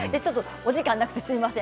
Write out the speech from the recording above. お時間がなくてすみません。